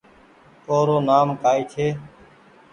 او رو نآم ڪآئي ڇي